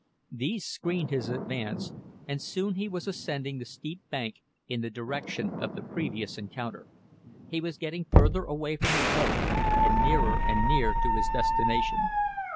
These screened his advance and soon he was ascending the steep bank in the direction of the previous encounter. He was getting further away from his boat and nearer and near to his destination.